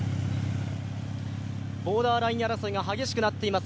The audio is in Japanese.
ボーダーライン争いが激しくなっています。